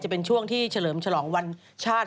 จะเป็นช่วงที่เฉลิมฉลองวันชาติ